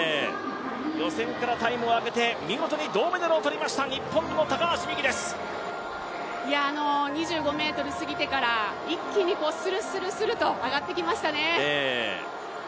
予選からタイムを上げて、見事に銅メダルを取りました２５ｍ過ぎてから一気にするするすると上がってきましたね。